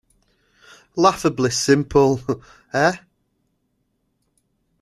Laughably simple, eh?